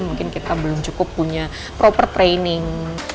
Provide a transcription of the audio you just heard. mungkin kita belum cukup punya proper training